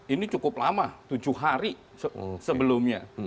ini cukup lama tujuh hari sebelumnya